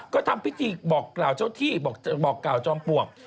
ก็ทำพิธีบอกกล่าวเจ้าที่บอกกล่าวจอมปลวก